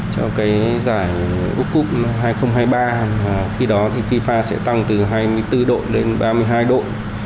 cho cái giải quốc cung hai nghìn hai mươi ba khi đó thì fifa sẽ tăng từ hai mươi bốn đội lên ba mươi hai đội